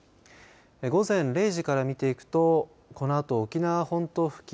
午前０時から見ていくとこのあと沖縄本島付近